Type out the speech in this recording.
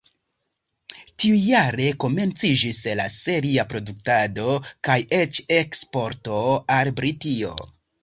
Tiujare komenciĝis la seria produktado kaj eĉ eksporto al Britio.